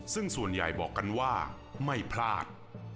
ซึ่งส่วนใหญ่บอกกันว่าไม่พลาด